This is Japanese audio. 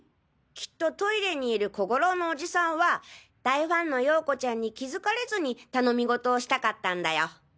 きっとトイレにいる小五郎のおじさんは大ファンのヨーコちゃんに気付かれずに頼み事をしたかったんだよ。